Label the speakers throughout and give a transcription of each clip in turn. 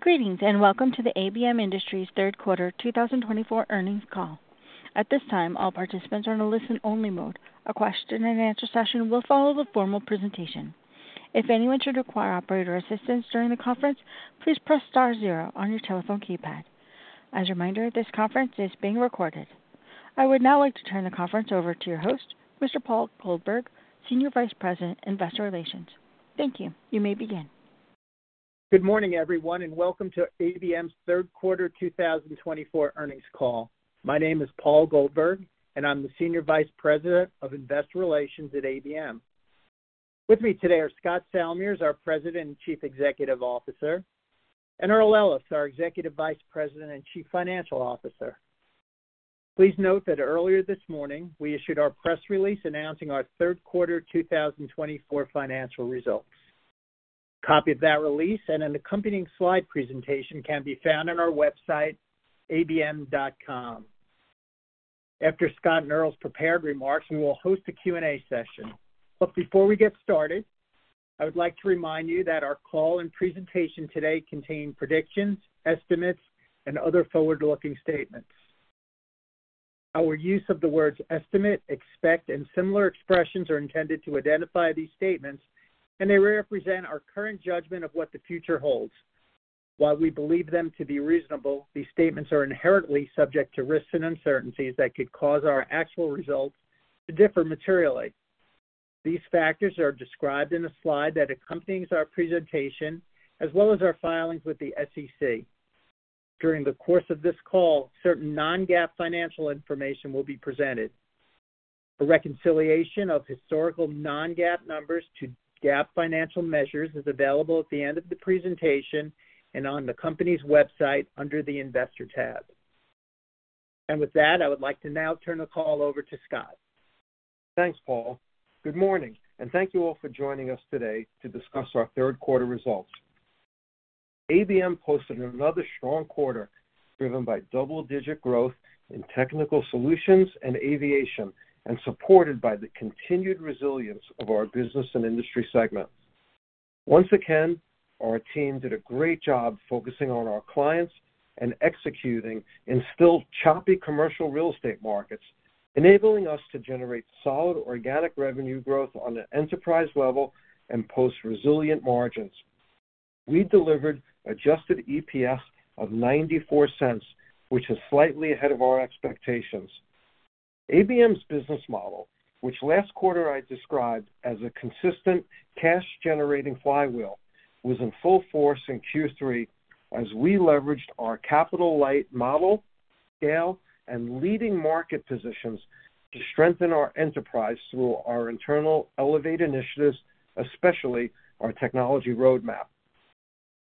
Speaker 1: Greetings, and welcome to the ABM Industries Third Quarter 2024 Earnings Call. At this time, all participants are in a listen-only mode. A question and answer session will follow the formal presentation. If anyone should require operator assistance during the conference, please press star zero on your telephone keypad. As a reminder, this conference is being recorded. I would now like to turn the conference over to your host, Mr. Paul Goldberg, Senior Vice President, Investor Relations. Thank you. You may begin.
Speaker 2: Good morning, everyone, and welcome to ABM's third quarter 2024 Earnings Call. My name is Paul Goldberg, and I'm the Senior Vice President of Investor Relations at ABM. With me today are Scott Salmirs, our President and Chief Executive Officer, and Earl Ellis, our Executive Vice President and Chief Financial Officer. Please note that earlier this morning, we issued our press release announcing our third quarter 2024 financial results. A copy of that release and an accompanying slide presentation can be found on our website, abm.com. After Scott and Earl's prepared remarks, we will host a Q&A session. But before we get started, I would like to remind you that our call and presentation today contain predictions, estimates, and other forward-looking statements. Our use of the words estimate, expect, and similar expressions are intended to identify these statements, and they represent our current judgment of what the future holds. While we believe them to be reasonable, these statements are inherently subject to risks and uncertainties that could cause our actual results to differ materially. These factors are described in the slide that accompanies our presentation, as well as our filings with the SEC. During the course of this call, certain non-GAAP financial information will be presented. A reconciliation of historical non-GAAP numbers to GAAP financial measures is available at the end of the presentation and on the company's website under the Investor tab. And with that, I would like to now turn the call over to Scott.
Speaker 3: Thanks, Paul. Good morning, and thank you all for joining us today to discuss our third quarter results. ABM posted another strong quarter, driven by double-digit growth in Technical Solutions and Aviation, and supported by the continued resilience of our Business and Industry segment. Once again, our team did a great job focusing on our clients and executing in still choppy commercial real estate markets, enabling us to generate solid organic revenue growth on an enterprise level and post resilient margins. We delivered Adjusted EPS of $0.94, which is slightly ahead of our expectations. ABM's business model, which last quarter I described as a consistent cash-generating flywheel, was in full force in Q3 as we leveraged our capital-light model, scale, and leading market positions to strengthen our enterprise through our internal Elevate initiatives, especially our technology roadmap.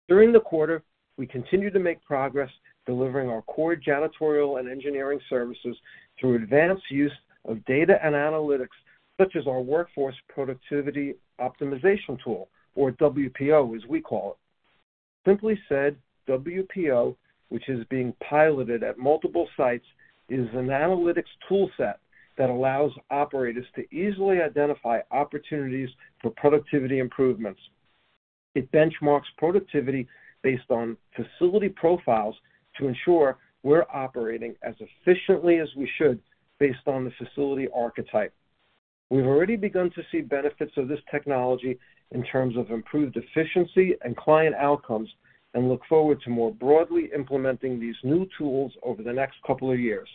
Speaker 3: During the quarter, we continued to make progress delivering our core janitorial and engineering services through advanced use of data and analytics, such as our Workforce Productivity Optimization Tool, or WPO, as we call it. Simply said, WPO, which is being piloted at multiple sites, is an analytics toolset that allows operators to easily identify opportunities for productivity improvements. It benchmarks productivity based on facility profiles to ensure we're operating as efficiently as we should, based on the facility archetype. We've already begun to see benefits of this technology in terms of improved efficiency and client outcomes, and look forward to more broadly implementing these new tools over the next couple of years.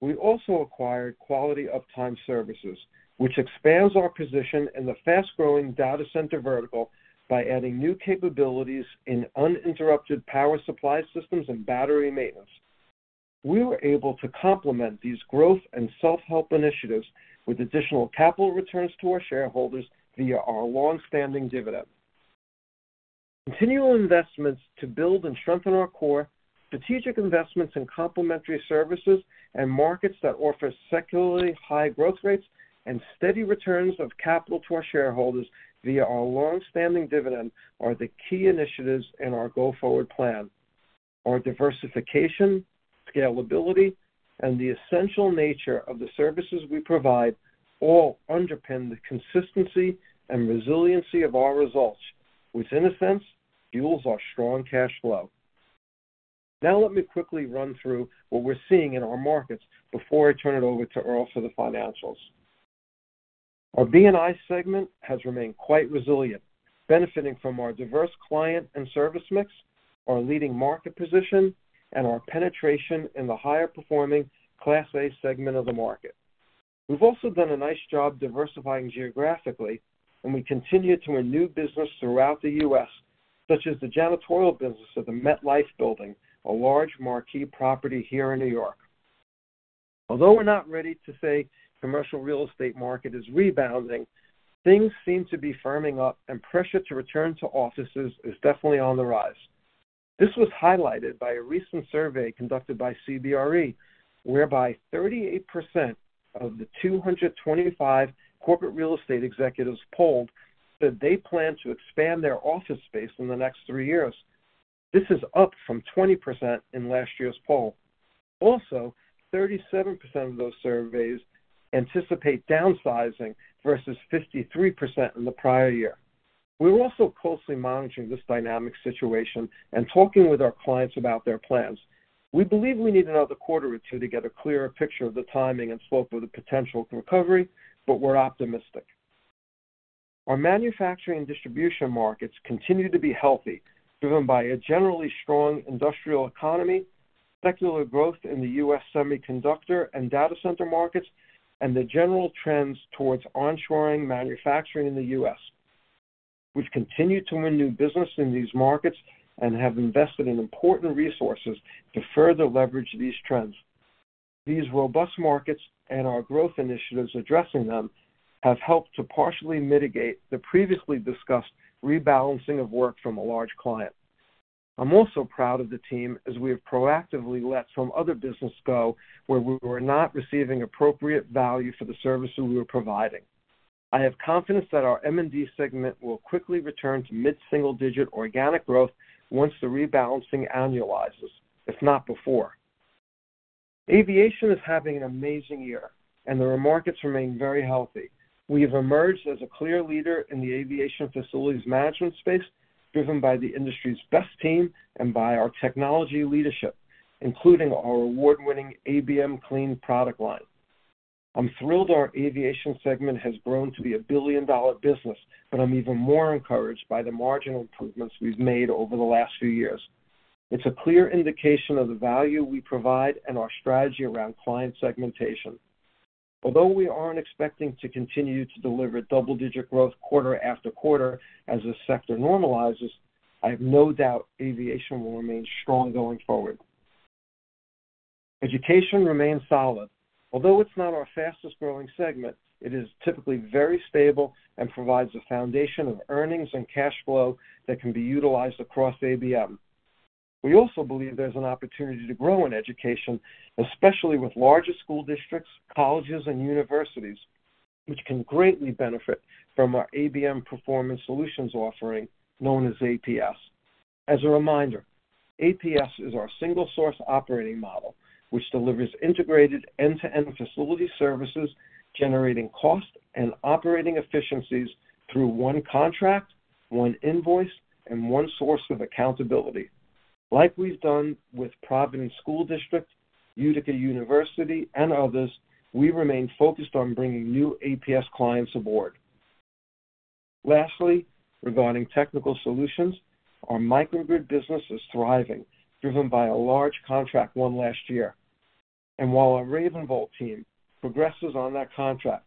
Speaker 3: We also acquired Quality Uptime Services, which expands our position in the fast-growing data center vertical by adding new capabilities in uninterruptible power supply systems and battery maintenance. We were able to complement these growth and self-help initiatives with additional capital returns to our shareholders via our longstanding dividend. Continual investments to build and strengthen our core, strategic investments in complementary services and markets that offer secularly high growth rates and steady returns of capital to our shareholders via our longstanding dividend are the key initiatives in our go-forward plan. Our diversification, scalability, and the essential nature of the services we provide all underpin the consistency and resiliency of our results, which, in a sense, fuels our strong cash flow. Now, let me quickly run through what we're seeing in our markets before I turn it over to Earl for the financials. Our B&I segment has remained quite resilient, benefiting from our diverse client and service mix, our leading market position, and our penetration in the higher-performing Class A segment of the market. We've also done a nice job diversifying geographically, and we continue to win new business throughout the U.S., such as the janitorial business of the MetLife Building, a large marquee property here in New York. Although we're not ready to say commercial real estate market is rebounding, things seem to be firming up, and pressure to return to offices is definitely on the rise. This was highlighted by a recent survey conducted by CBRE, whereby 38% of the 225 corporate real estate executives polled said they plan to expand their office space in the next three years. This is up from 20% in last year's poll. Also, 37% of those surveyed anticipate downsizing, versus 53% in the prior year. We're also closely monitoring this dynamic situation and talking with our clients about their plans. We believe we need another quarter or two to get a clearer picture of the timing and slope of the potential recovery, but we're optimistic. Our manufacturing and distribution markets continue to be healthy, driven by a generally strong industrial economy, secular growth in the U.S. semiconductor and data center markets, and the general trends towards onshoring manufacturing in the U.S. We've continued to win new business in these markets and have invested in important resources to further leverage these trends. These robust markets and our growth initiatives addressing them, have helped to partially mitigate the previously discussed rebalancing of work from a large client. I'm also proud of the team, as we have proactively let some other business go where we were not receiving appropriate value for the services we were providing. I have confidence that our M&D segment will quickly return to mid-single-digit organic growth once the rebalancing annualizes, if not before. Aviation is having an amazing year, and their markets remain very healthy. We have emerged as a clear leader in the Aviation facilities management space, driven by the industry's best team and by our technology leadership, including our award-winning ABM Clean product line. I'm thrilled our Aviation segment has grown to be a billion-dollar business, but I'm even more encouraged by the marginal improvements we've made over the last few years. It's a clear indication of the value we provide and our strategy around client segmentation. Although we aren't expecting to continue to deliver double-digit growth quarter after quarter as this sector normalizes, I have no doubt Aviation will remain strong going forward. Education remains solid. Although it's not our fastest growing segment, it is typically very stable and provides a foundation of earnings and cash flow that can be utilized across ABM. We also believe there's an opportunity to grow in education, especially with larger school districts, colleges, and universities, which can greatly benefit from our ABM Performance Solutions offering, known as APS. As a reminder, APS is our single-source operating model, which delivers integrated end-to-end facility services, generating cost and operating efficiencies through one contract, one invoice, and one source of accountability. Like we've done with Providence School District, Utica University, and others, we remain focused on bringing new APS clients aboard. Lastly, regarding Technical Solutions, our microgrid business is thriving, driven by a large contract won last year. While our RavenVolt team progresses on that contract,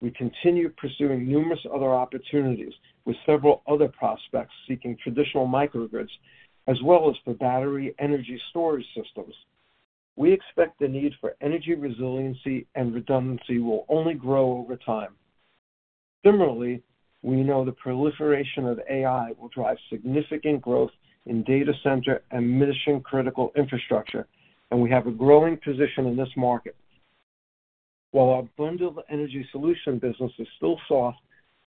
Speaker 3: we continue pursuing numerous other opportunities with several other prospects seeking traditional microgrids, as well as for battery energy storage systems. We expect the need for energy resiliency and redundancy will only grow over time. Similarly, we know the proliferation of AI will drive significant growth in data center and mission-critical infrastructure, and we have a growing position in this market. While our Bundled Energy Solutions business is still soft,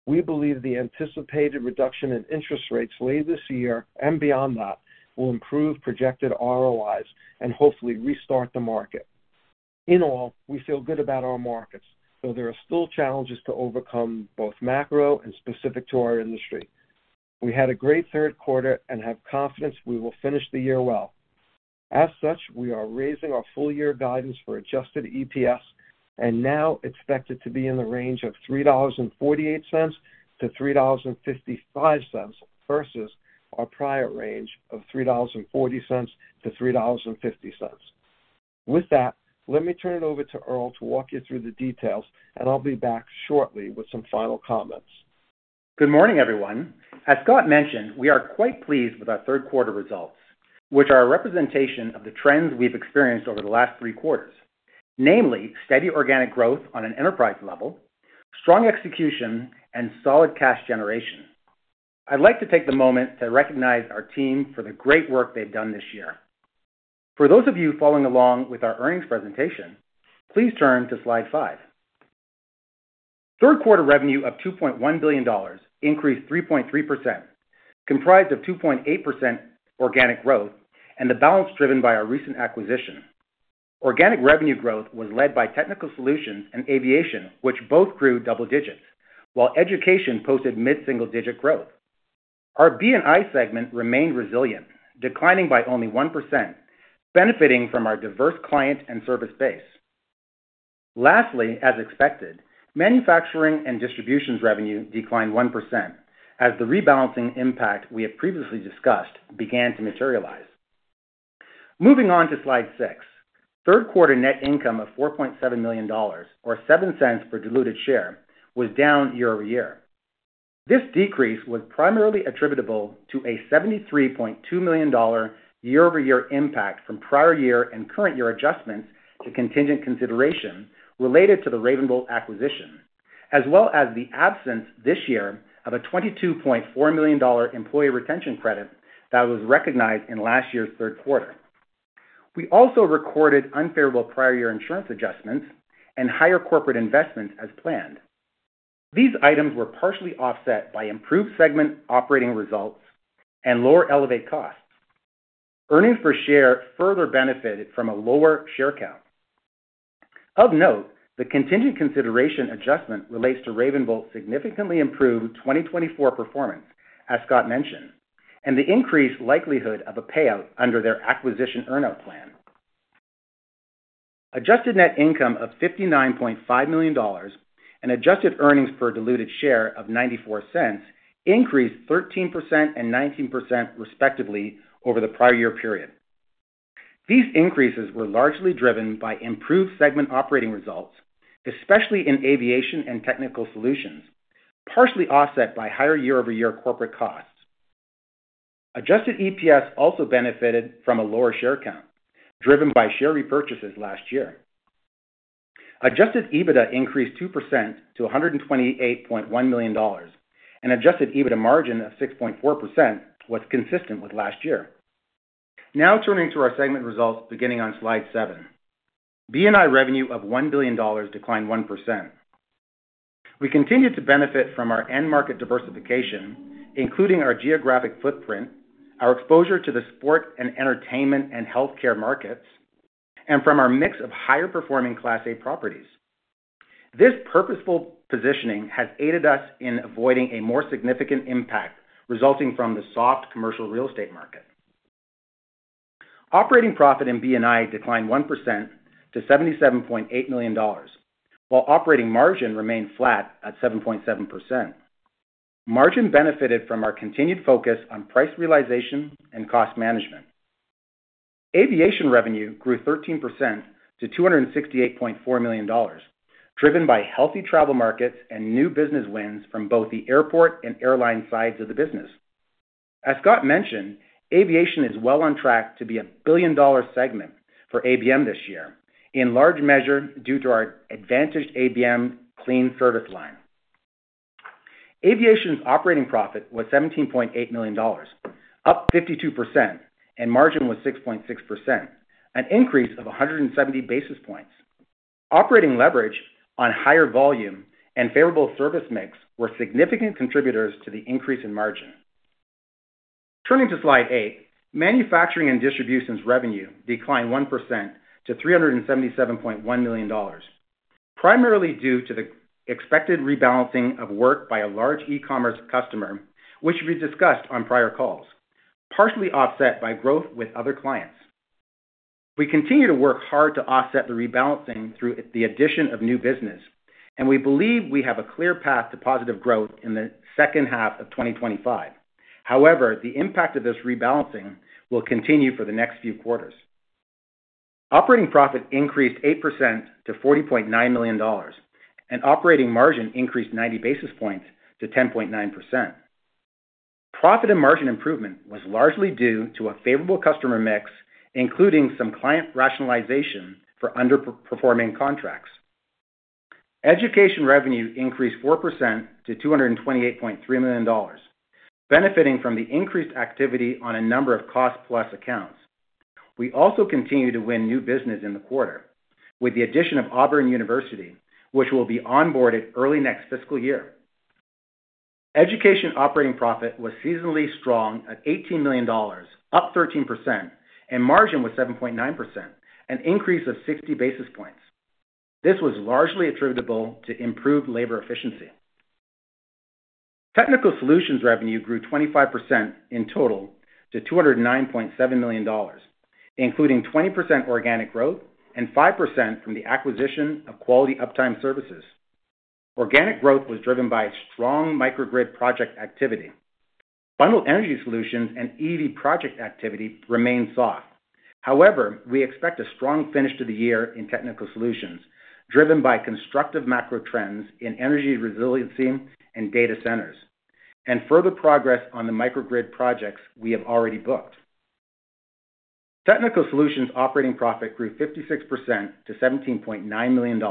Speaker 3: we believe the anticipated reduction in interest rates late this year and beyond that will improve projected ROIs and hopefully restart the market. In all, we feel good about our markets, though there are still challenges to overcome, both macro and specific to our industry. We had a great third quarter and have confidence we will finish the year well. As such, we are raising our full-year guidance for Adjusted EPS, and now expect it to be in the range of $3.48-$3.55, versus our prior range of $3.40-$3.50. With that, let me turn it over to Earl to walk you through the details, and I'll be back shortly with some final comments.
Speaker 4: Good morning, everyone. As Scott mentioned, we are quite pleased with our third quarter results, which are a representation of the trends we've experienced over the last three quarters. Namely, steady organic growth on an enterprise level, strong execution, and solid cash generation. I'd like to take the moment to recognize our team for the great work they've done this year. For those of you following along with our earnings presentation, please turn to slide 5. Third quarter revenue of $2.1 billion increased 3.3%, comprised of 2.8% organic growth and the balance driven by our recent acquisition. Organic revenue growth was led by technical solutions and Aviation, which both grew double digits, while education posted mid-single-digit growth. Our B&I segment remained resilient, declining by only 1%, benefiting from our diverse client and service base. Lastly, as expected, manufacturing and distribution's revenue declined 1%, as the rebalancing impact we have previously discussed began to materialize. Moving on to slide six. Third quarter net income of $4.7 million, or $0.07 per diluted share, was down year over year. This decrease was primarily attributable to a $73.2 million year-over-year impact from prior year and current year adjustments to contingent consideration related to the RavenVolt acquisition, as well as the absence this year of a $22.4 million Employee Retention Credit that was recognized in last year's third quarter. We also recorded unfavorable prior year insurance adjustments and higher corporate investments as planned. These items were partially offset by improved segment operating results and lower Elevate costs. Earnings per share further benefited from a lower share count. Of note, the contingent consideration adjustment relates to RavenVolt's significantly improved 2024 performance, as Scott mentioned, and the increased likelihood of a payout under their acquisition earn out plan. Adjusted net income of $59.5 million and adjusted earnings per diluted share of $0.94 increased 13% and 19% respectively over the prior year period. These increases were largely driven by improved segment operating results, especially in aviation and technical solutions, partially offset by higher year-over-year corporate costs. Adjusted EPS also benefited from a lower share count, driven by share repurchases last year. Adjusted EBITDA increased 2% to $128.1 million, and adjusted EBITDA margin of 6.4% was consistent with last year. Now turning to our segment results, beginning on Slide 7. B&I revenue of $1 billion declined 1%. We continued to benefit from our end market diversification, including our geographic footprint, our exposure to the sport and entertainment and healthcare markets, and from our mix of higher performing Class A properties. This purposeful positioning has aided us in avoiding a more significant impact resulting from the soft commercial real estate market. Operating profit in B&I declined 1% to $77.8 million, while operating margin remained flat at 7.7%. Margin benefited from our continued focus on price realization and cost management. Aviation revenue grew 13% to $268.4 million, driven by healthy travel markets and new business wins from both the airport and airline sides of the business. As Scott mentioned, aviation is well on track to be a billion-dollar segment for ABM this year, in large measure due to our advantaged ABM Clean service line. Aviation's operating profit was $17.8 million, up 52%, and margin was 6.6%, an increase of 170 basis points. Operating leverage on higher volume and favorable service mix were significant contributors to the increase in margin. Turning to Slide 8, Manufacturing and Distribution's revenue declined 1% to $377.1 million, primarily due to the expected rebalancing of work by a large e-commerce customer, which we discussed on prior calls, partially offset by growth with other clients. We continue to work hard to offset the rebalancing through the addition of new business, and we believe we have a clear path to positive growth in the second half of 2025. However, the impact of this rebalancing will continue for the next few quarters. Operating profit increased 8% to $40.9 million, and operating margin increased 90 basis points to 10.9%. Profit and margin improvement was largely due to a favorable customer mix, including some client rationalization for underperforming contracts. Education revenue increased 4% to $228.3 million, benefiting from the increased activity on a number of cost-plus accounts. We also continued to win new business in the quarter, with the addition of Auburn University, which will be onboarded early next fiscal year. Education operating profit was seasonally strong at $18 million, up 13%, and margin was 7.9%, an increase of 60 basis points. This was largely attributable to improved labor efficiency. Technical Solutions revenue grew 25% in total to $209.7 million, including 20% organic growth and 5% from the acquisition of Quality Uptime Services. Organic growth was driven by strong microgrid project activity. Bundled Energy Solutions and EV project activity remained soft. However, we expect a strong finish to the year in Technical Solutions, driven by constructive macro trends in energy resiliency and data centers, and further progress on the microgrid projects we have already booked. Technical Solutions operating profit grew 56% to $17.9 million,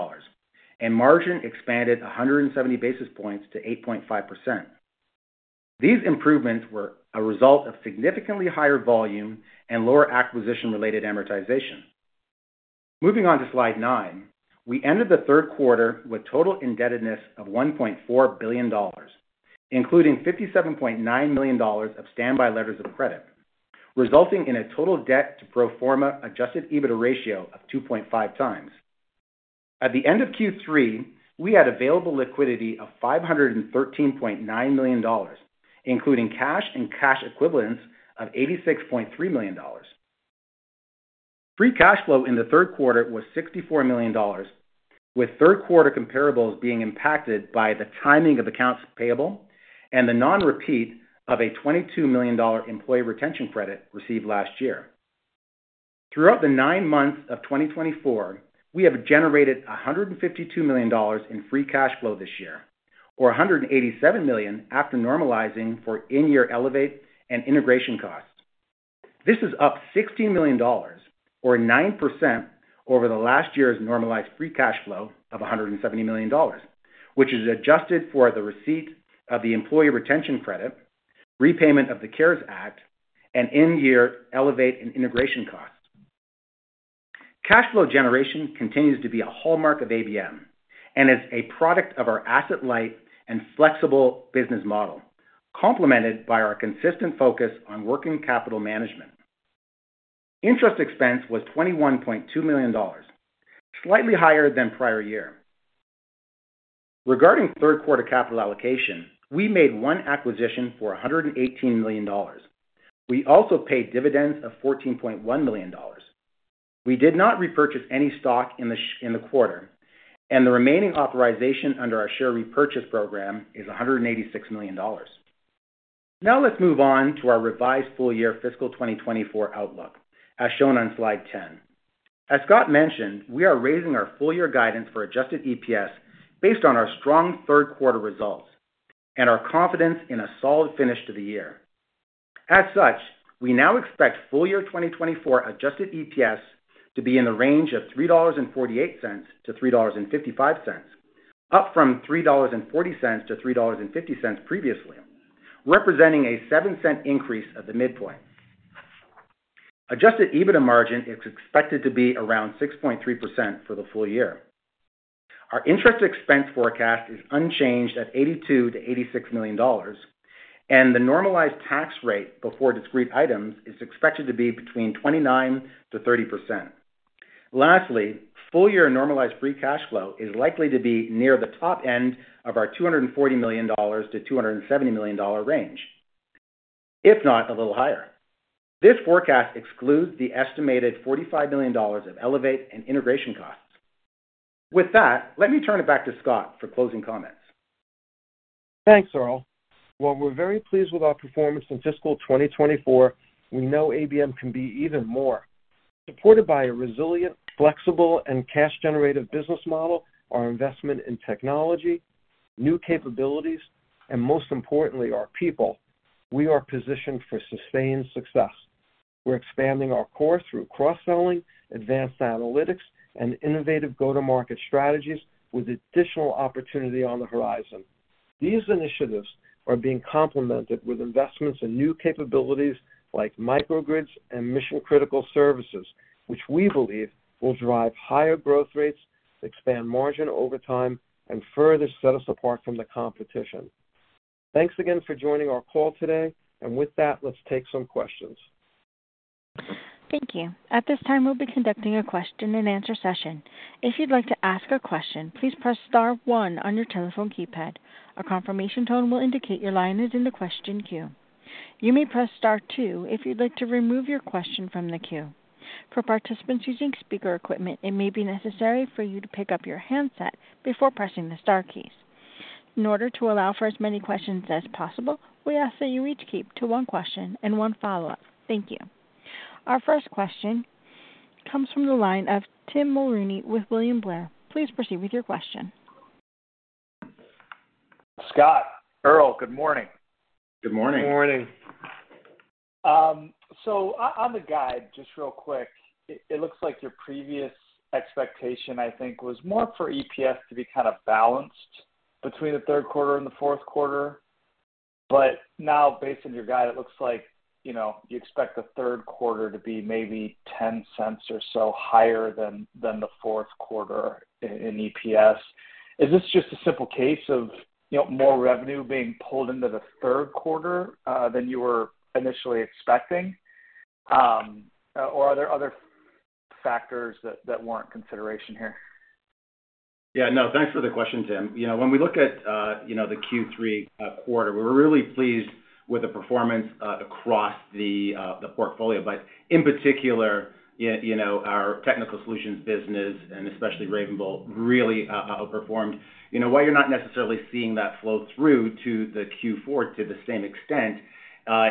Speaker 4: and margin expanded 170 basis points to 8.5%. These improvements were a result of significantly higher volume and lower acquisition-related amortization. Moving on to Slide 9. We ended the third quarter with total indebtedness of $1.4 billion, including $57.9 million of standby letters of credit, resulting in a total debt to pro forma Adjusted EBITDA ratio of 2.5 times. At the end of Q3, we had available liquidity of $513.9 million, including cash and cash equivalents of $86.3 million. Free cash flow in the third quarter was $64 million, with third quarter comparables being impacted by the timing of accounts payable and the non-repeat of a $22 million Employee Retention Credit received last year. Throughout the nine months of 2024, we have generated $152 million in free cash flow this year, or $187 million after normalizing for in-year Elevate and integration costs. This is up $16 million or 9% over the last year's normalized free cash flow of $170 million, which is adjusted for the receipt of the Employee Rretention Credit, repayment of the CARES Act, and in-year Elevate and integration costs. Cash flow generation continues to be a hallmark of ABM and is a product of our asset-light and flexible business model, complemented by our consistent focus on working capital management. Interest expense was $21.2 million, slightly higher than prior year. Regarding third quarter capital allocation, we made one acquisition for $118 million. We also paid dividends of $14.1 million. We did not repurchase any stock in the quarter, and the remaining authorization under our share repurchase program is $186 million. Now let's move on to our revised full-year fiscal 2024 outlook, as shown on slide 10. As Scott mentioned, we are raising our full-year guidance for adjusted EPS based on our strong third quarter results and our confidence in a solid finish to the year. As such, we now expect full-year 2024 adjusted EPS to be in the range of $3.48 to $3.55, up from $3.40 to $3.50 previously, representing a $0.07 increase at the midpoint. Adjusted EBITDA margin is expected to be around 6.3% for the full year. Our interest expense forecast is unchanged at $82 million to $86 million, and the normalized tax rate before discrete items is expected to be between 29% to 30%. Lastly, full-year normalized free cash flow is likely to be near the top end of our $240 million to $270 million range, if not a little higher. This forecast excludes the estimated $45 million of Elevate and integration costs. With that, let me turn it back to Scott for closing comments.
Speaker 3: Thanks, Earl. While we're very pleased with our performance in fiscal 2024, we know ABM can be even more. Supported by a resilient, flexible, and cash-generative business model, our investment in technology, new capabilities, and most importantly, our people, we are positioned for sustained success. We're expanding our core through cross-selling, advanced analytics, and innovative go-to-market strategies with additional opportunity on the horizon. These initiatives are being complemented with investments in new capabilities like microgrids and mission-critical services, which we believe will drive higher growth rates, expand margin over time, and further set us apart from the competition. Thanks again for joining our call today. And with that, let's take some questions.
Speaker 1: Thank you. At this time, we'll be conducting a question-and-answer session. If you'd like to ask a question, please press star one on your telephone keypad. A confirmation tone will indicate your line is in the question queue. You may press star two if you'd like to remove your question from the queue. For participants using speaker equipment, it may be necessary for you to pick up your handset before pressing the star keys. In order to allow for as many questions as possible, we ask that you each keep to one question and one follow-up. Thank you. Our first question comes from the line of Tim Mulrooney with William Blair. Please proceed with your question.
Speaker 5: Scott, Earl, good morning.
Speaker 3: Good morning.
Speaker 4: Good morning.
Speaker 5: So on the guide, just real quick, it looks like your previous expectation, I think, was more for EPS to be kind of balanced between the third quarter and the fourth quarter. But now, based on your guide, it looks like, you know, you expect the third quarter to be maybe $0.10 or so higher than the fourth quarter in EPS. Is this just a simple case of, you know, more revenue being pulled into the third quarter than you were initially expecting? Or are there other factors that warrant consideration here?
Speaker 4: Yeah, no, thanks for the question, Tim. You know, when we look at, you know, the Q3 quarter, we're really pleased with the performance across the portfolio. But in particular, you know, our Technical Solutions business, and especially RavenVolt, really outperformed. You know, why you're not necessarily seeing that flow through to the Q4 to the same extent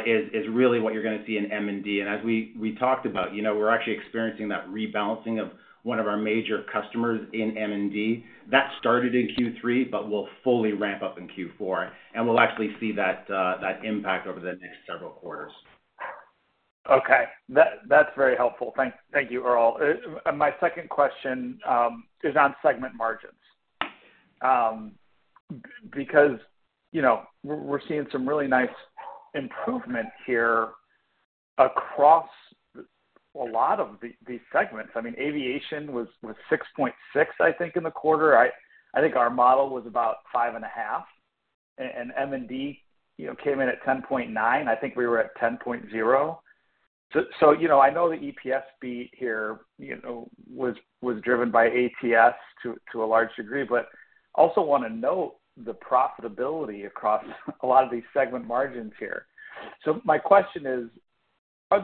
Speaker 4: is really what you're going to see in M&D. And as we talked about, you know, we're actually experiencing that rebalancing of one of our major customers in M&D. That started in Q3, but will fully ramp up in Q4, and we'll actually see that impact over the next several quarters.
Speaker 5: Okay. That's very helpful. Thank you, Earl. My second question is on segment margins. Because, you know, we're seeing some really nice improvement here across a lot of these segments. I mean, aviation was 6.6%, I think, in the quarter. I think our model was about 5.5%, and M&D, you know, came in at 10.9%. I think we were at 10.0%. So, you know, I know the EPS beat here, you know, was driven by ATS to a large degree, but also want to note the profitability across a lot of these segment margins here. So my question is: Are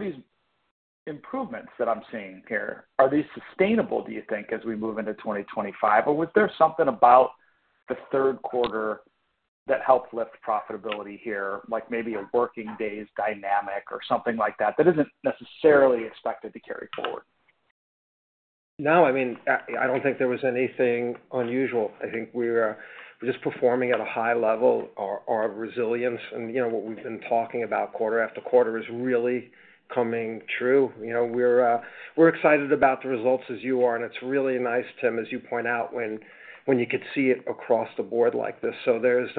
Speaker 5: these improvements that I'm seeing here, are these sustainable, do you think, as we move into 2025? Or was there something about the third quarter that helped lift profitability here, like maybe a working days dynamic or something like that, that isn't necessarily expected to carry forward?...
Speaker 3: No, I mean, I don't think there was anything unusual. I think we're just performing at a high level. Our resilience and, you know, what we've been talking about quarter after quarter is really coming true. You know, we're excited about the results as you are, and it's really nice, Tim, as you point out, when you could see it across the board like this. So there's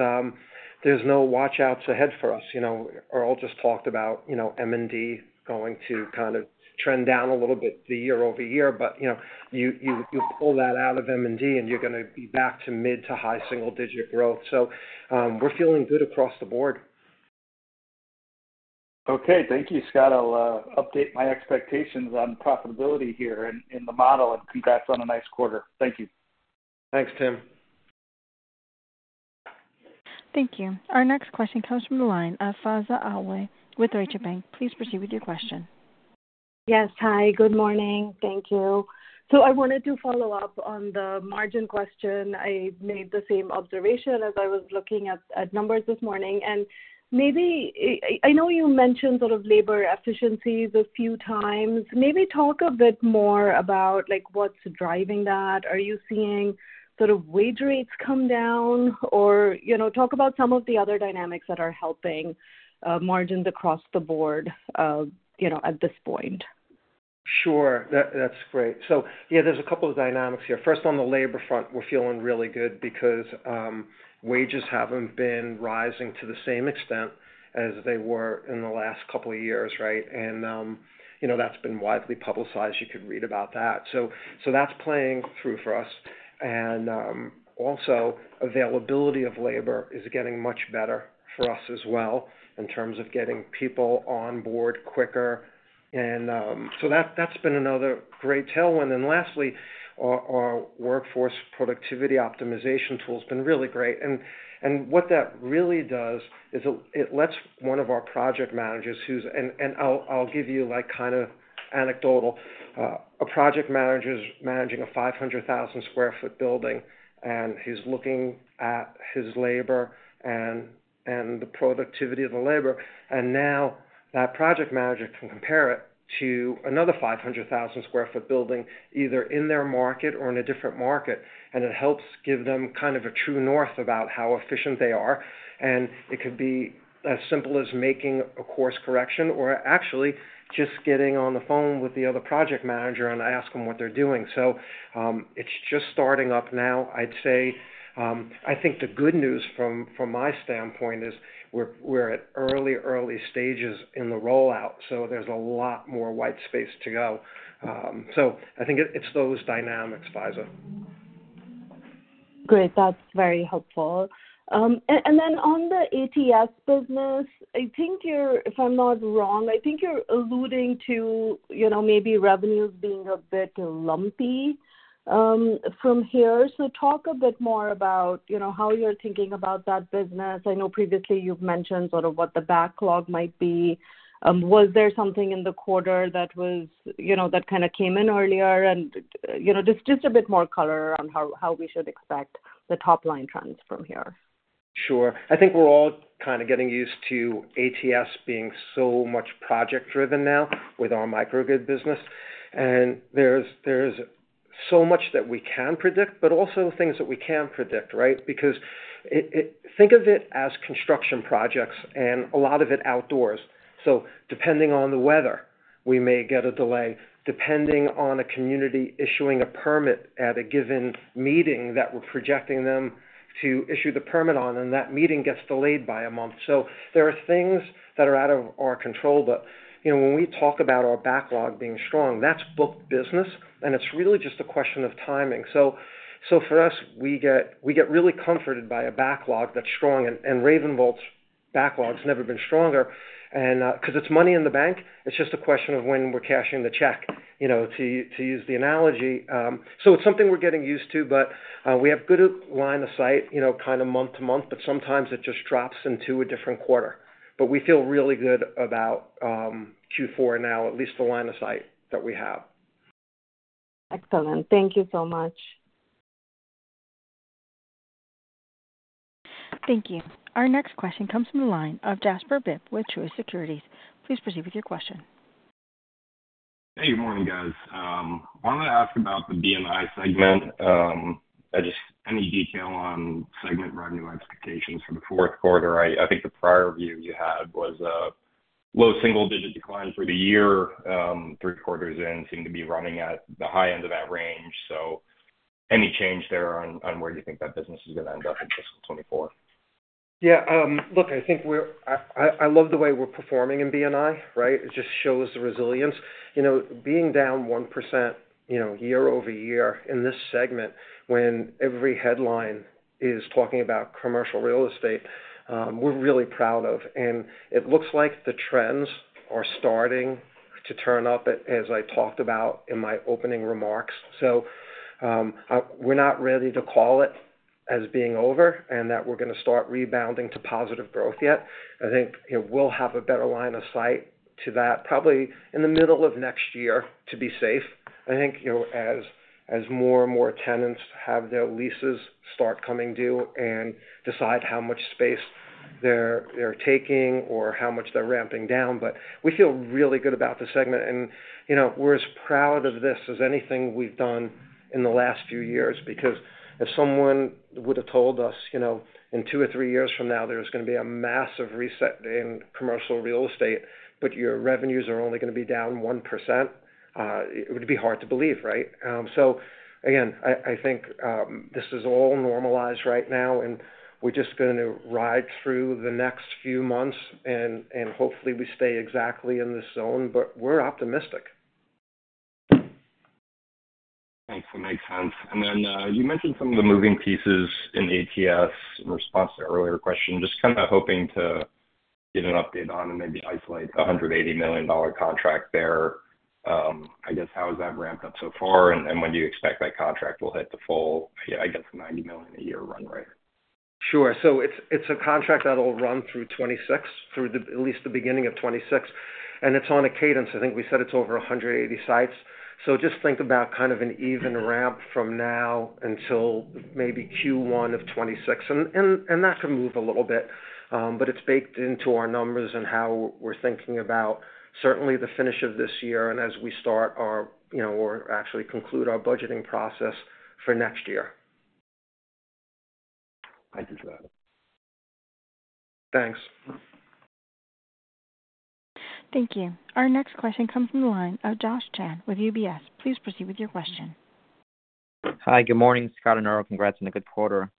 Speaker 3: no watch out ahead for us. You know, Earl just talked about, you know, M&D going to kind of trend down a little bit year over year, but, you know, you pull that out of M&D, and you're gonna be back to mid to high single digit growth. So, we're feeling good across the board.
Speaker 5: Okay. Thank you, Scott. I'll update my expectations on profitability here in the model, and congrats on a nice quarter. Thank you.
Speaker 3: Thanks, Tim.
Speaker 1: Thank you. Our next question comes from the line of Faiza Alwi with Deutsche Bank. Please proceed with your question.
Speaker 6: Yes, hi, good morning. Thank you. So I wanted to follow up on the margin question. I made the same observation as I was looking at numbers this morning, and maybe, I know you mentioned sort of labor efficiencies a few times. Maybe talk a bit more about, like, what's driving that. Are you seeing sort of wage rates come down? Or, you know, talk about some of the other dynamics that are helping, margins across the board, you know, at this point.
Speaker 3: Sure. That's great. So yeah, there's a couple of dynamics here. First, on the labor front, we're feeling really good because wages haven't been rising to the same extent as they were in the last couple of years, right? And you know, that's been widely publicized. You could read about that. So that's playing through for us. And also, availability of labor is getting much better for us as well in terms of getting people on board quicker. And so that's been another great tailwind. And lastly, our Workforce Productivity Optimization tool has been really great. And what that really does is it lets one of our project managers who's— And I'll give you, like, kind of anecdotal. A project manager's managing a 500,000-sq ft building, and he's looking at his labor and the productivity of the labor. Now, that project manager can compare it to another 500,000-sq ft building, either in their market or in a different market, and it helps give them kind of a true north about how efficient they are. It could be as simple as making a course correction, or actually just getting on the phone with the other project manager and ask them what they're doing. So, it's just starting up now, I'd say. I think the good news from my standpoint is we're at early stages in the rollout, so there's a lot more white space to go. So, I think it's those dynamics, Faiza.
Speaker 6: Great, that's very helpful, and then on the ATS business, I think you're. If I'm not wrong, I think you're alluding to, you know, maybe revenues being a bit lumpy, from here. So talk a bit more about, you know, how you're thinking about that business. I know previously you've mentioned sort of what the backlog might be. Was there something in the quarter that was, you know, that kind of came in earlier, and you know, just a bit more color on how we should expect the top line trends from here.
Speaker 3: Sure. I think we're all kind of getting used to ATS being so much project-driven now with our microgrid business. And there's, there's so much that we can predict, but also things that we can't predict, right? Because it. Think of it as construction projects and a lot of it outdoors. So depending on the weather, we may get a delay, depending on a community issuing a permit at a given meeting that we're projecting them to issue the permit on, and that meeting gets delayed by a month. So there are things that are out of our control, but, you know, when we talk about our backlog being strong, that's booked business, and it's really just a question of timing. So, so for us, we get, we get really comforted by a backlog that's strong, and, and RavenVolt's backlog's never been stronger. And because it's money in the bank, it's just a question of when we're cashing the check, you know, to use the analogy. So it's something we're getting used to, but we have good line of sight, you know, kind of month to month, but sometimes it just drops into a different quarter. But we feel really good about Q4 now, at least the line of sight that we have.
Speaker 6: Excellent. Thank you so much.
Speaker 1: Thank you. Our next question comes from the line of Jasper Bibb with Truist Securities. Please proceed with your question.
Speaker 7: Hey, good morning, guys. I wanted to ask about the B&I segment. Just any detail on segment revenue expectations for the fourth quarter? I think the prior view you had was a low single-digit decline for the year. Three quarters in seem to be running at the high end of that range so any change there on where you think that business is gonna end up in fiscal 2024?
Speaker 3: Yeah, look, I love the way we're performing in B&I, right? It just shows the resilience. You know, being down 1%, you know, year over year in this segment, when every headline is talking about commercial real estate, we're really proud of, and it looks like the trends are starting to turn up, as I talked about in my opening remarks, so we're not ready to call it as being over and that we're gonna start rebounding to positive growth yet. I think, you know, we'll have a better line of sight to that, probably in the middle of next year to be safe. I think, you know, as more and more tenants have their leases start coming due and decide how much space they're taking or how much they're ramping down. But we feel really good about the segment, and, you know, we're as proud of this as anything we've done in the last few years. Because if someone would have told us, you know, in two or three years from now, there's gonna be a massive reset in commercial real estate, but your revenues are only gonna be down 1%, it would be hard to believe, right? So again, I think this is all normalized right now, and we're just gonna ride through the next few months and hopefully we stay exactly in this zone, but we're optimistic.
Speaker 7: Thanks, that makes sense. And then, you mentioned some of the moving pieces in ATS in response to an earlier question. Just kinda hoping to get an update on and maybe isolate the $180 million contract there. I guess, how has that ramped up so far, and when do you expect that contract will hit the full, I guess, $90 million a year run rate?
Speaker 3: Sure. So it's a contract that'll run through 2026, at least the beginning of 2026, and it's on a cadence. I think we said it's over a hundred and eighty sites. So just think about kind of an even ramp from now until maybe Q1 of 2026. And that can move a little bit, but it's baked into our numbers and how we're thinking about certainly the finish of this year and as we start our, you know, or actually conclude our budgeting process for next year.
Speaker 7: Thank you for that.
Speaker 3: Thanks.
Speaker 1: Thank you. Our next question comes from the line of Josh Chan with UBS. Please proceed with your question.
Speaker 8: Hi, good morning, Scott and Earl. Congrats on a good quarter.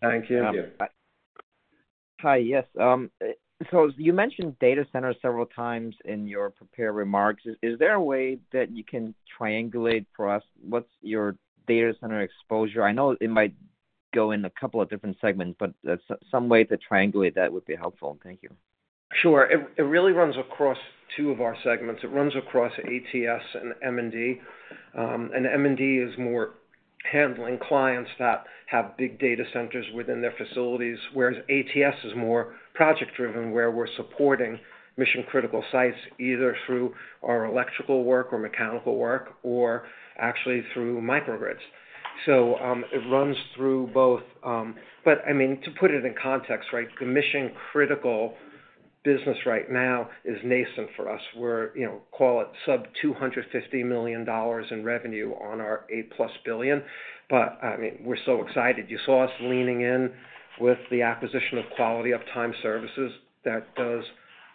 Speaker 3: Thank you.
Speaker 4: Thank you.
Speaker 8: Hi, yes. So you mentioned data centers several times in your prepared remarks. Is there a way that you can triangulate for us what's your data center exposure? I know it might go in a couple of different segments, but some way to triangulate that would be helpful. Thank you.
Speaker 3: Sure. It really runs across two of our segments. It runs across ATS and M&D. And M&D is more handling clients that have big data centers within their facilities, whereas ATS is more project-driven, where we're supporting mission-critical sites, either through our electrical work or mechanical work, or actually through microgrids. So, it runs through both. But I mean, to put it in context, right, the mission-critical business right now is nascent for us. We're, you know, call it sub-$250 million in revenue on our $8 billion-plus. But, I mean, we're so excited. You saw us leaning in with the acquisition of Quality Uptime Services. That does,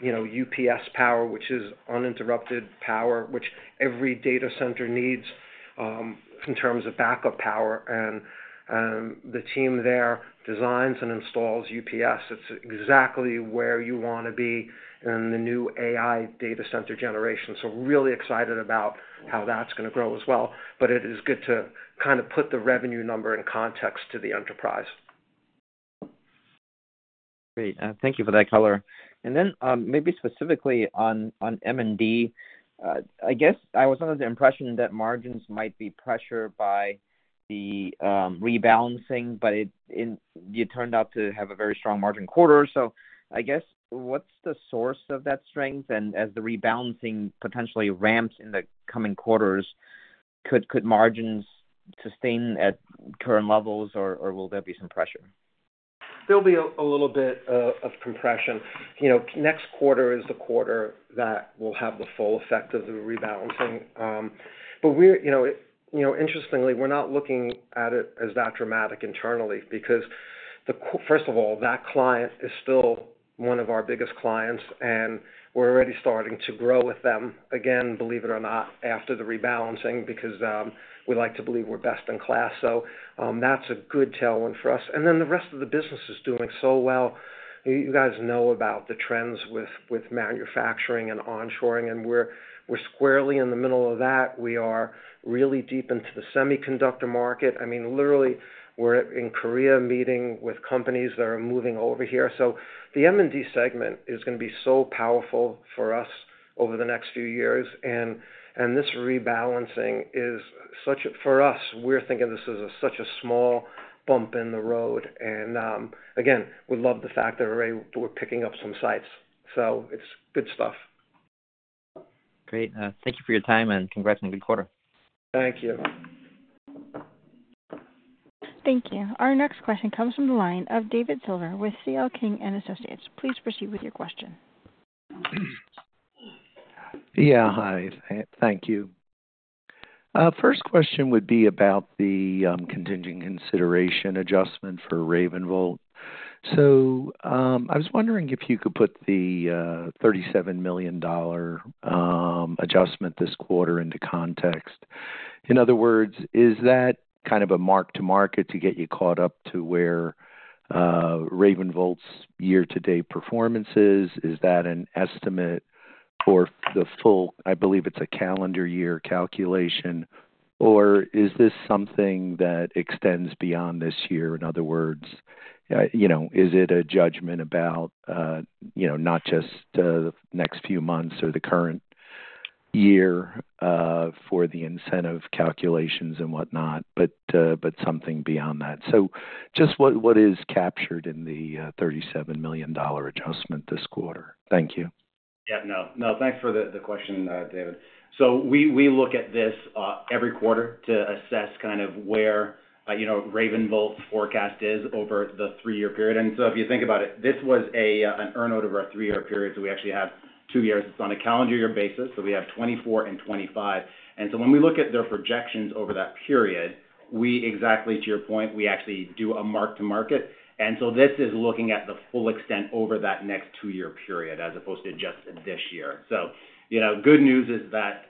Speaker 3: you know, UPS power, which is uninterruptible power, which every data center needs in terms of backup power. And, the team there designs and installs UPS. It's exactly where you wanna be in the new AI data center generation, so we're really excited about how that's gonna grow as well, but it is good to kind of put the revenue number in context to the enterprise.
Speaker 8: Great. Thank you for that color. And then, maybe specifically on M&D. I guess I was under the impression that margins might be pressured by the rebalancing, but you turned out to have a very strong margin quarter. So I guess, what's the source of that strength? And as the rebalancing potentially ramps in the coming quarters, could margins sustain at current levels, or will there be some pressure?
Speaker 3: There'll be a little bit of compression. You know, next quarter is the quarter that will have the full effect of the rebalancing. But we're, you know, interestingly, we're not looking at it as that dramatic internally, because first of all, that client is still one of our biggest clients, and we're already starting to grow with them again, believe it or not, after the rebalancing, because we like to believe we're best in class. So, that's a good tailwind for us. And then the rest of the business is doing so well. You guys know about the trends with manufacturing and onshoring, and we're squarely in the middle of that. We are really deep into the semiconductor market. I mean, literally, we're in Korea meeting with companies that are moving over here. So the M&D segment is gonna be so powerful for us over the next few years, and this rebalancing is for us. We're thinking this is such a small bump in the road, and again, we love the fact that we're picking up some sites. So it's good stuff.
Speaker 8: Great. Thank you for your time, and congrats on a good quarter.
Speaker 3: Thank you.
Speaker 1: Thank you. Our next question comes from the line of David Silver with CL King and Associates. Please proceed with your question.
Speaker 9: Yeah. Hi, thank you. First question would be about the contingent consideration adjustment for RavenVolt. So, I was wondering if you could put the $37 million adjustment this quarter into context. In other words, is that kind of a mark to market to get you caught up to where RavenVolt's year-to-date performance is? Is that an estimate for the full, I believe it's a calendar year calculation, or is this something that extends beyond this year? In other words, you know, is it a judgment about, you know, not just the next few months or the current year for the incentive calculations and whatnot, but something beyond that? So just what is captured in the $37 million adjustment this quarter? Thank you....
Speaker 4: Yeah, no, no, thanks for the question, David. So we look at this every quarter to assess kind of where, you know, RavenVolt's forecast is over the three-year period. And so if you think about it, this was an earn-out over a three-year period, so we actually have two years. It's on a calendar year basis, so we have 2024 and 2025. And so when we look at their projections over that period, we exactly, to your point, we actually do a mark-to-market. And so this is looking at the full extent over that next two-year period, as opposed to just this year. So, you know, good news is that,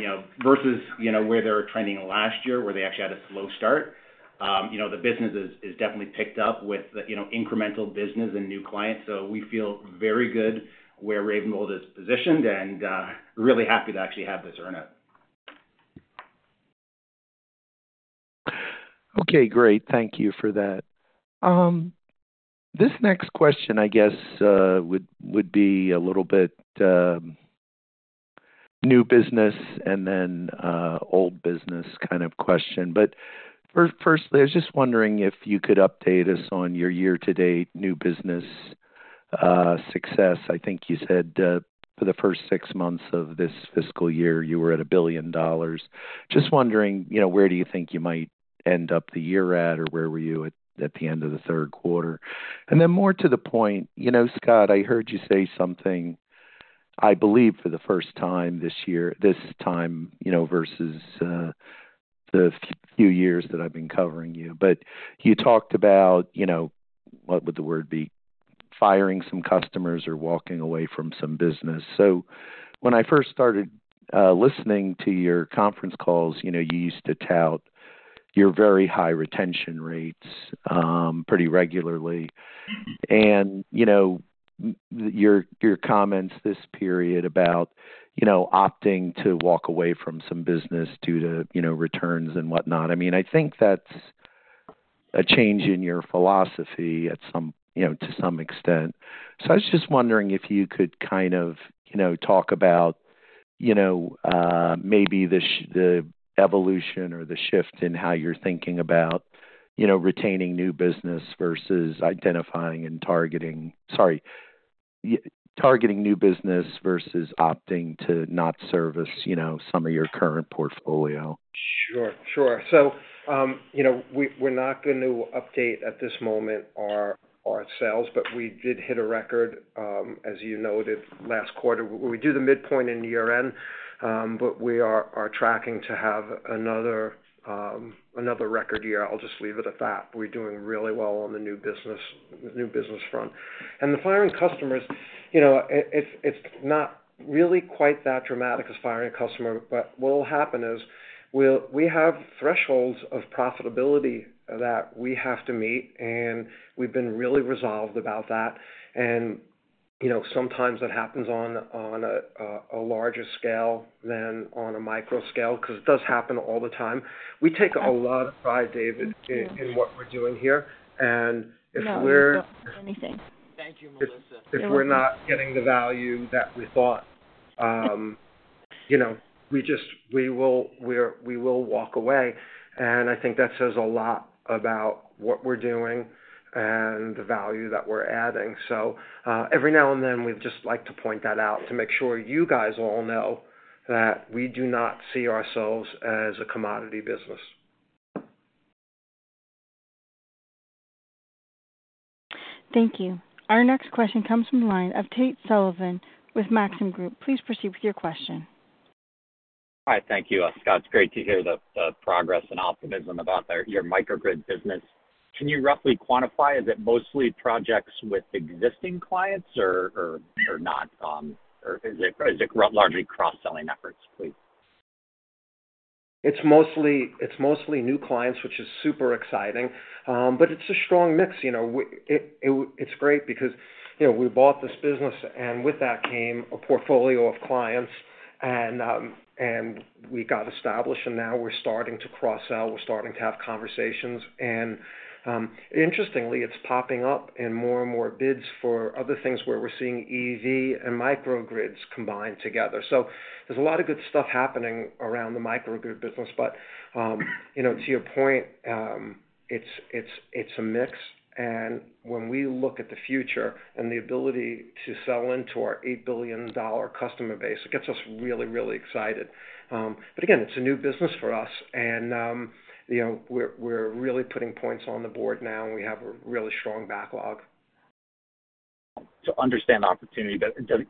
Speaker 4: you know, versus, you know, where they were trending last year, where they actually had a slow start, you know, the business is definitely picked up with, you know, incremental business and new clients. So we feel very good where RavenVolt is positioned and, really happy to actually have this earn out.
Speaker 9: Okay, great. Thank you for that. This next question, I guess, would be a little bit new business and then old business kind of question. But firstly, I was just wondering if you could update us on your year-to-date new business success. I think you said for the first six months of this fiscal year, you were at $1 billion. Just wondering, you know, where do you think you might end up the year at, or where were you at the end of the third quarter? And then, more to the point, you know, Scott, I heard you say something, I believe, for the first time this year this time, you know, versus the few years that I've been covering you. But you talked about, you know, what would the word be? Firing some customers or walking away from some business. So when I first started listening to your conference calls, you know, you used to tout your very high retention rates pretty regularly. And, you know, your comments this period about, you know, opting to walk away from some business due to, you know, returns and whatnot. I mean, I think that's a change in your philosophy at some... you know, to some extent. So I was just wondering if you could kind of, you know, talk about, you know, maybe the evolution or the shift in how you're thinking about, you know, retaining new business versus identifying and targeting sorry, targeting new business versus opting to not service, you know, some of your current portfolio.
Speaker 3: Sure, sure. So, you know, we're not going to update at this moment our sales, but we did hit a record, as you noted, last quarter. We do the midpoint in the year-end, but we are tracking to have another record year. I'll just leave it at that. We're doing really well on the new business front. And the firing customers, you know, it's not really quite that dramatic as firing a customer, but what will happen is, we have thresholds of profitability that we have to meet, and we've been really resolved about that. And, you know, sometimes it happens on a larger scale than on a micro scale, 'cause it does happen all the time. We take a lot of pride, David, in what we're doing here. And if we're-
Speaker 1: No, you don't hear anything.
Speaker 9: Thank you, Melissa.
Speaker 3: If we're not getting the value that we thought, you know, we just will walk away, and I think that says a lot about what we're doing and the value that we're adding. So, every now and then, we'd just like to point that out to make sure you guys all know that we do not see ourselves as a commodity business.
Speaker 1: Thank you. Our next question comes from the line of Tate Sullivan with Maxim Group. Please proceed with your question.
Speaker 10: Hi. Thank you, Scott. It's great to hear the progress and optimism about their, your microgrid business. Can you roughly quantify? Is it mostly projects with existing clients or they are not? Or is it largely cross-selling efforts, please?
Speaker 3: It's mostly new clients, which is super exciting, but it's a strong mix, you know. It's great because, you know, we bought this business, and with that came a portfolio of clients, and we got established, and now we're starting to cross-sell. We're starting to have conversations, and interestingly, it's popping up in more and more bids for other things where we're seeing EV and microgrids combined together, so there's a lot of good stuff happening around the microgrid business, but, you know, to your point, it's a mix, and when we look at the future and the ability to sell into our $8 billion customer base, it gets us really, really excited. But again, it's a new business for us, and you know, we're really putting points on the board now, and we have a really strong backlog.
Speaker 10: To understand the opportunity,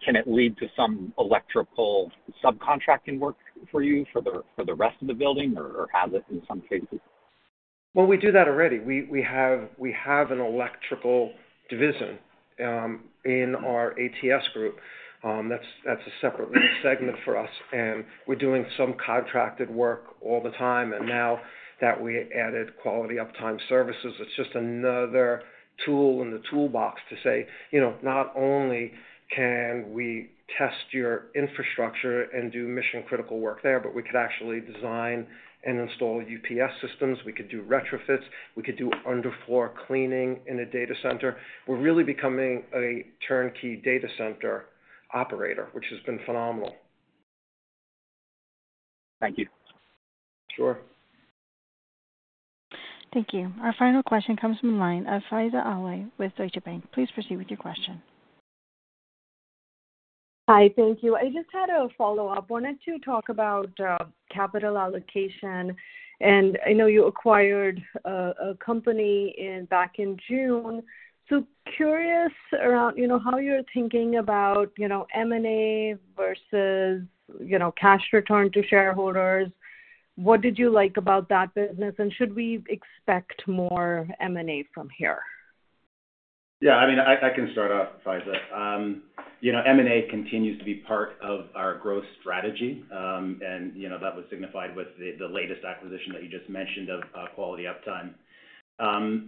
Speaker 10: can it lead to some electrical subcontracting work for you for the rest of the building, or has it in some cases?
Speaker 3: We do that already. We have an electrical division in our ATS group. That's a separate segment for us, and we're doing some contracted work all the time. Now that we added Quality Uptime Services, it's just another tool in the toolbox to say, you know, "Not only can we test your infrastructure and do mission-critical work there, but we could actually design and install UPS systems. We could do retrofits. We could do under-floor cleaning in a data center." We're really becoming a turnkey data center operator, which has been phenomenal.
Speaker 10: Thank you.
Speaker 3: Sure.
Speaker 1: Thank you. Our final question comes from the line of Faiza Alwi with Deutsche Bank. Please proceed with your question.
Speaker 6: Hi, thank you. I just had a follow-up. Wanted to talk about capital allocation, and I know you acquired a company back in June. So curious around, you know, how you're thinking about, you know, M&A versus, you know, cash return to shareholders. What did you like about that business? And should we expect more M&A from here?
Speaker 4: Yeah, I mean, I can start off, Faiza. You know, M&A continues to be part of our growth strategy. And, you know, that was signified with the latest acquisition that you just mentioned of Quality Uptime.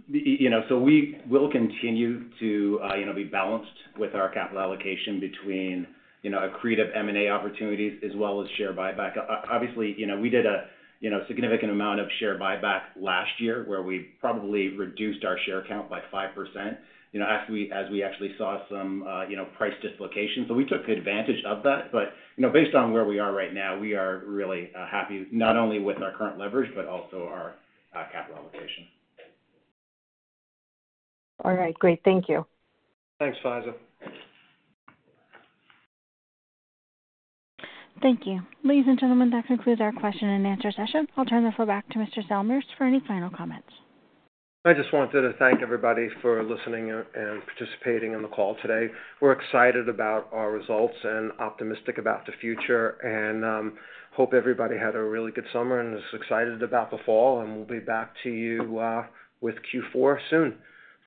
Speaker 4: You know, so we will continue to be balanced with our capital allocation between accretive M&A opportunities as well as share buyback. Obviously, you know, we did a significant amount of share buyback last year, where we probably reduced our share count by 5%, you know, as we actually saw some price dislocation. So we took advantage of that. But, you know, based on where we are right now, we are really happy, not only with our current leverage, but also our capital allocation.
Speaker 6: All right, great. Thank you.
Speaker 3: Thanks, Faiza.
Speaker 1: Thank you. Ladies and gentlemen, that concludes our question-and-answer session. I'll turn the floor back to Mr. Salmirs for any final comments.
Speaker 3: I just wanted to thank everybody for listening and participating in the call today. We're excited about our results and optimistic about the future, and hope everybody had a really good summer and is excited about the fall, and we'll be back to you with Q4 soon.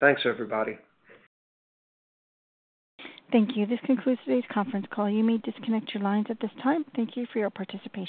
Speaker 3: Thanks, everybody.
Speaker 1: Thank you. This concludes today's conference call. You may disconnect your lines at this time. Thank you for your participation.